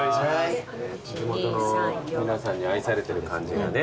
地元の皆さんに愛されてる感じがね。